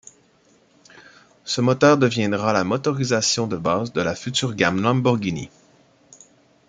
Ce moteur deviendra la motorisation de base de la future gamme Lamborghini.